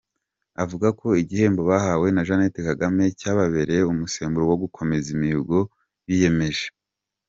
Avuga ko igihembo bahawe na Jeannette Kagame, cyababereye umusemburo wo gukomeza imihigo biyemeje.